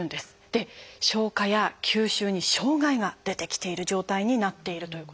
で消化や吸収に障害が出てきている状態になっているということなんです。